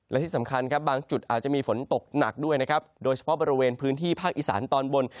และที่สำคัญครับบางจุดอาจจะมีฝนตกหนักด้วยนะครับโดยเฉพาะบริเวณพื้นที่ภาคอีสานตอนบน